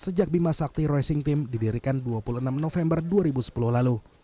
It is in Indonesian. sejak bima sakti racing team didirikan dua puluh enam november dua ribu sepuluh lalu